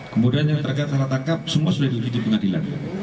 kemudian yang terkait salah tangkap semua sudah diuji di pengadilan